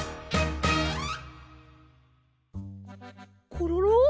コロロ？